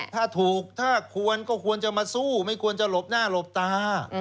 ถ้าถูกถ้าควรก็ควรจะมาสู้ไม่ควรจะหลบหน้าหลบตา